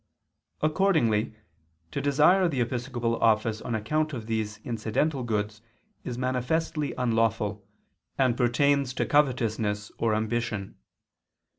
Accordingly, to desire the episcopal office on account of these incidental goods is manifestly unlawful, and pertains to covetousness or ambition.